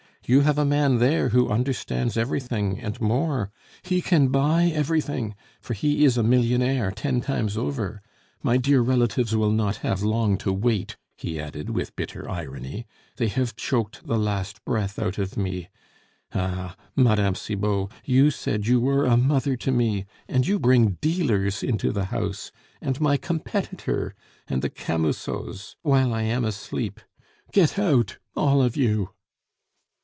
You have a man there who understands everything, and more he can buy everything, for he is a millionaire ten times over.... My dear relatives will not have long to wait," he added, with bitter irony, "they have choked the last breath out of me.... Ah! Mme. Cibot, you said you were a mother to me, and you bring dealers into the house, and my competitor and the Camusots, while I am asleep!... Get out, all of you!